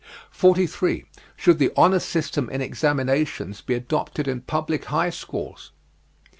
43. Should the honor system in examinations be adopted in public high schools?